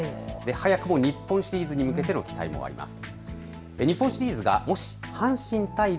早くも日本シリーズに向けての期待もあります。